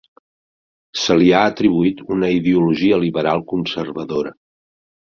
Se li ha atribuït una ideologia liberal conservadora.